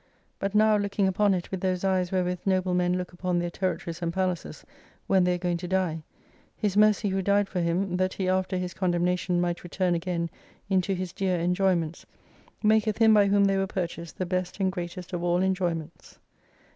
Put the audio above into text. But now looking upon it with those eyes wherewith noble men look upon their territories and palaces, when they are going to die. His mercy who died for him, that he after his condemnation might return again into his dear enjoyments, maketh Him by whom they were purchased the best and greatest of all enjoyments.